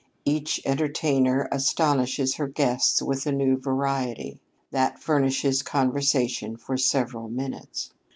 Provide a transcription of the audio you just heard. Each entertainer astonishes her guests with a new variety. That furnishes conversation for several minutes.